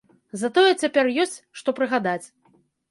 Затое цяпер ёсць, што прыгадаць.